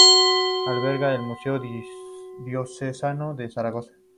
Alberga el Museo Diocesano de Zaragoza.